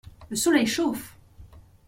Le soleil chauffe.